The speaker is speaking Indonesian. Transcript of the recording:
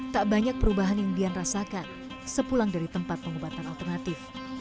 tak banyak perubahan yang dian rasakan sepulang dari tempat pengobatan alternatif